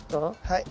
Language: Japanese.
はい。